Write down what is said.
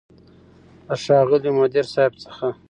له ښاغلي مدير صيب څخه